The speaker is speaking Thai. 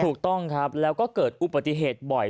ถูกต้องครับแล้วก็เกิดอุบัติเหตุบ่อย